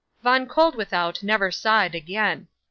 'Von Koeldwethout never saw it again.